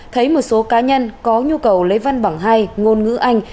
thấy một số cá nhân có nhu cầu lấy văn bằng hai ngôn ngữ anh